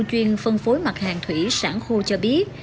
chuyên phân phối mặt hàng thủy sản khô cho biết